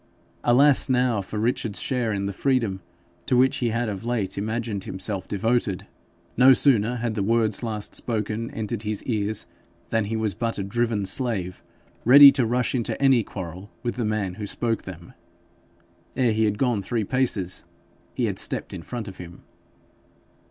Alas now for Richard's share in the freedom to which he had of late imagined himself devoted! No sooner had the words last spoken entered his ears than he was but a driven slave ready to rush into any quarrel with the man who spoke them. Ere he had gone three paces he had stepped in front of him.